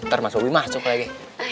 ntar mas bopi masuk lagi